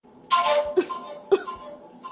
شلومبې ګرمي نه څښل کېږي.